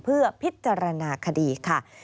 เพื่อพิจารณาคดีค่ะ